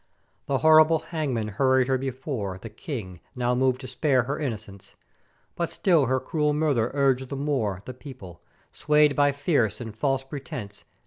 "The horr'ible Hangmen hurried her before the King, now moved to spare her innocence; but still her cruel murther urged the more the People, swayed by fierce and false pretence.